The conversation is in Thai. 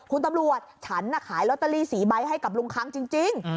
คุณตำรวจฉันน่ะขายลอตเตอรี่๔ใบให้กับลุงคังจริง